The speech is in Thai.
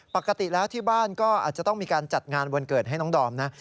ปกติแล้วที่บ้านก็อาจจะต้องมีการจัดงานวันเกิดให้น้องดอมนะ